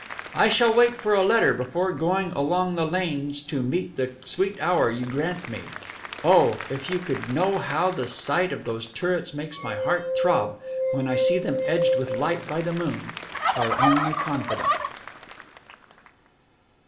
"I shall wait for a letter before going along the lanes to meet the sweet hour you grant me. Oh! if you could know how the sight of those turrets makes my heart throb when I see them edged with light by the moon, our only confidante."